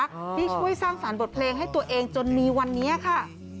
ที่ช่วยสร้างสารบทเพลงให้ตัวเองจนมีวันนี้ค่ะ